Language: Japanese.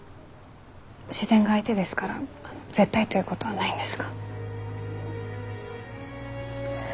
自然が相手ですから絶対ということはないんですが。